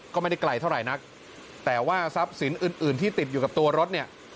ก็ไม่ได้ไกลเท่าไหร่นักแต่ว่าทรัพย์สินอื่นอื่นที่ติดอยู่กับตัวรถเนี่ย